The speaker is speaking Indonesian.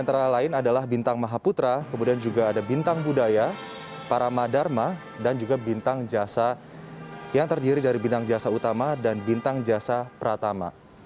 antara lain adalah bintang mahaputra kemudian juga ada bintang budaya paramadharma dan juga bintang jasa yang terdiri dari bintang jasa utama dan bintang jasa pratama